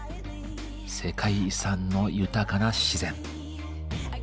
世界遺産の豊かな自然。